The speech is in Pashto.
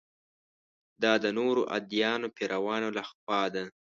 دا د نورو ادیانو پیروانو له خوا ده.